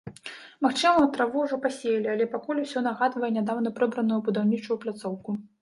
Магчыма, траву ўжо пасеялі, але пакуль усё нагадвае нядаўна прыбраную будаўнічую пляцоўку.